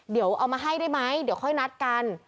เดี๋ยวเอามาให้ได้ไหมเดี๋ยวค่อยนัดกัน